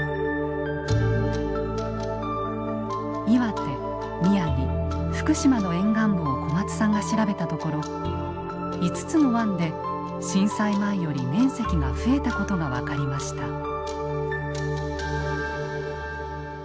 岩手宮城福島の沿岸部を小松さんが調べたところ５つの湾で震災前より面積が増えたことが分かりました。